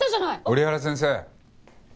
折原先生。